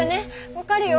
分かるよ。